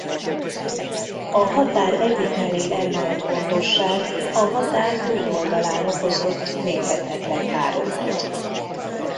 A határ egyik felén elmaradt gondosság a határ túloldalán okozott mérhetetlen károkat.